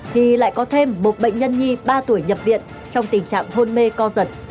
thì lại có thêm một bệnh nhân nhi ba tuổi nhập viện trong tình trạng hôn mê co giật